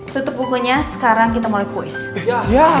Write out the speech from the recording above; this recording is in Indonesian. tutup bukunya sekarang kita mulai kuis